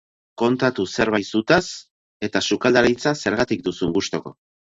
Kontatu zerbait zutaz eta sukaldaritza zergatik duzun gustuko.